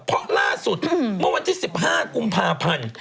เพราะล่าสุดเมื่อวันที่๑๕กุมภาพันธ์